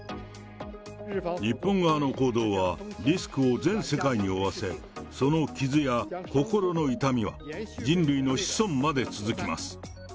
日本側の行動はリスクを全世界に負わせ、その傷や心の痛みは人類の子孫まで続きます。